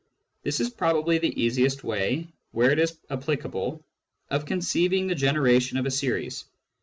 This is probably the easiest way, where it is applicable, of conceiving the generation of a series.